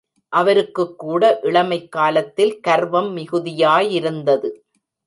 அவருக்குக்கூட இளமைக் காலத்தில் கர்வம் மிகுதியாயிருந்தது.